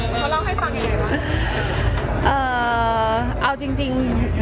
เขาเล่าให้ฟังยังไงค่ะ